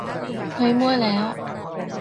เฮ้ยมั่วแล้ว